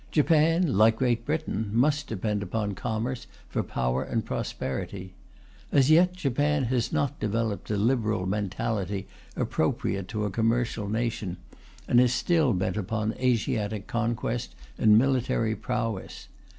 Japan, like Great Britain, must depend upon commerce for power and prosperity. As yet, Japan has not developed the Liberal mentality appropriate to a commercial nation, and is still bent upon Asiatic conquest and military prowess.